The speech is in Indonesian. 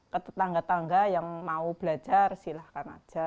ketangga tangga yang mau belajar silahkan aja